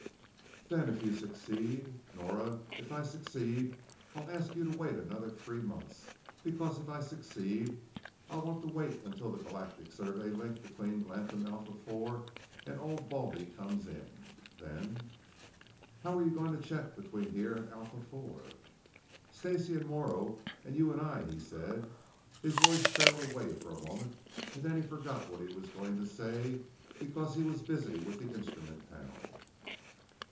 "Then if you succeed?" "Nora, if I succeed, I'll ask you to wait another three months. Because if I succeed, I'll want to wait until the Galactic Survey link between Latham Alpha IV and Old Baldy comes in. Then " "How are you going to check between here and Alpha IV?" "Stacey and Morrow and you and I " he said. His voice trailed away for a moment, and then he forgot what he was going to say because he was busy with the instrument panel.